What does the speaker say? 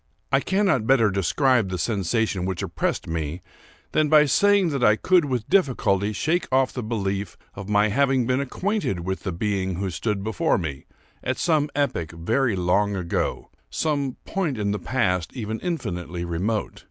I cannot better describe the sensation which oppressed me than by saying that I could with difficulty shake off the belief of my having been acquainted with the being who stood before me, at some epoch very long ago—some point of the past even infinitely remote.